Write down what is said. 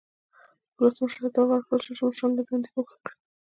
ولسمشر ته دا واک ورکړل شو چې مشران له دندې ګوښه کړي.